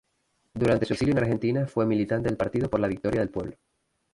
Durante su exilio en Argentina fue militante del Partido por la Victoria del Pueblo.